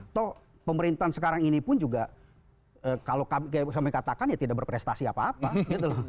atau pemerintahan sekarang ini pun juga kalau kami katakan ya tidak berprestasi apa apa gitu loh